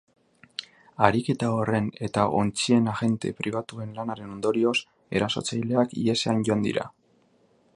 Ariketa horren eta ontzien agente pribatuen lanaren ondorioz, erasotzaileak ihesean joan dira.